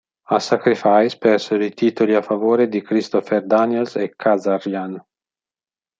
Al Sacrifice persero i titoli a favore di Christopher Daniels e Kazarian.